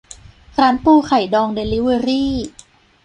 ร้านปูไข่ดองเดลิเวอรี่